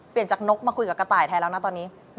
จากนกมาคุยกับกระต่ายไทยแล้วนะตอนนี้